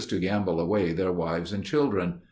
to gamble away their wives and children....